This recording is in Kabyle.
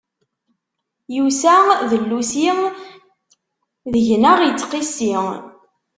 Yusa d llusi, deg-neɣ ittqissi.